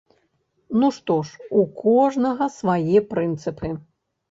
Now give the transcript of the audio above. Ну што ж, у кожнага свае прынцыпы.